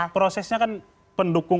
prosesnya kan mendukung dua ribu empat belas